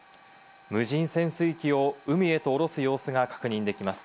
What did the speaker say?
無人潜水機を海へとおろす様子が確認できます。